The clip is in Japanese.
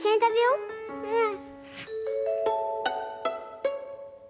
うん。